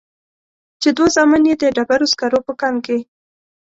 چې دوه زامن يې د ډبرو سکرو په کان کې.